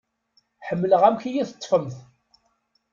Ḥemmleɣ amek i yi-teṭfemt.